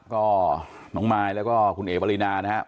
ก็น้องมายแล้วก็คุณเอ๋ปรินานะครับ